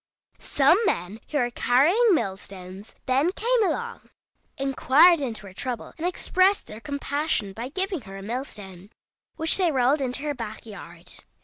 Some men who were carrying mill stones then came along, inquired into her trouble, and expressed their compassion by giving her a mill stone, which they rolled into her back yard.